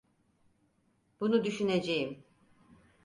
Bunu düşüneceğim.